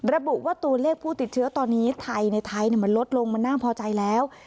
ระบุว่าตัวเลขผู้ติดเชื้อตอนนี้ไทยในไทยมันลดลงมันน่าพอใจแล้ว